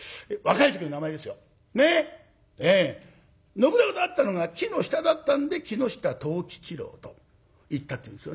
信長と会ったのが木の下だったんで木下藤吉郎といったっていうんですよね。